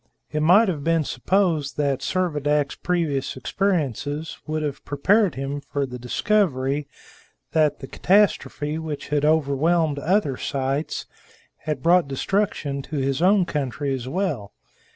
It might have been supposed that Servadac's previous experiences would have prepared him for the discovery that the catastrophe which had overwhelmed other sites had brought destruction to his own country as well.